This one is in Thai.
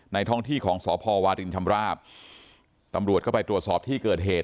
ท้องที่ของสพวารินชำราบตำรวจก็ไปตรวจสอบที่เกิดเหตุ